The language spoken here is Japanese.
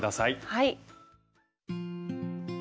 はい。